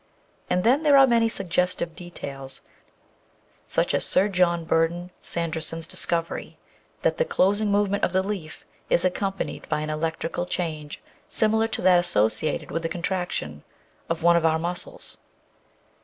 And then there are many suggestive de tails, such as Sir John Burdon Sanderson's discovery, that the closing movement of the leaf is accompanied by an electrical. change similar to that associated with the contraction of one of our muscles.